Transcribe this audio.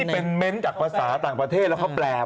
เป็นเม้นต์จากภาษาต่างประเทศแล้วเขาแปลก